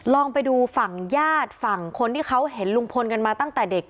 ลองไปดูฝั่งญาติฝั่งคนที่เขาเห็นลุงพลกันมาตั้งแต่เด็ก